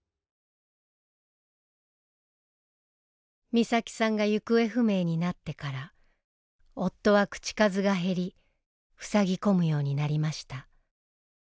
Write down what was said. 美咲さんが行方不明になってから夫は口数が減りふさぎ込むようになりました。